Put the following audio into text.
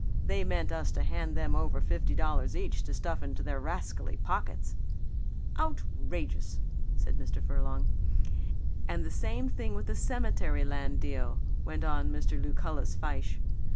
They meant us to hand them over fifty dollars each to stuff into their rascally pockets." "Outrageous!" said Mr. Furlong. "And the same thing with the cemetery land deal," went on Mr. Lucullus Fyshe.